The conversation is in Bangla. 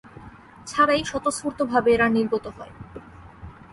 ছাড়াই স্বতঃস্ফূর্ত ভাবে এরা নির্গত হয়।